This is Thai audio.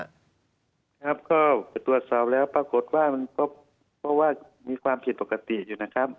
ครับก็ตรวจสอบแล้วปรากฏว่ามันก็เพราะว่ามีความผิดปกติอยู่นะครับ